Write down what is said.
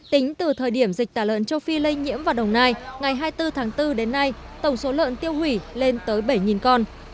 tính từ thời điểm dịch tả lợn châu phi lây nhiễm vào đồng nai ngày hai mươi bốn tháng bốn đến nay tổng số lợn tiêu hủy lên tới bảy con